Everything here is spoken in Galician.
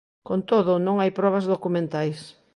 Con todo, non hai probas documentais.